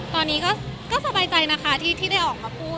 ตอนนี้ก็สบายใจนะคะที่ได้ออกมาพูด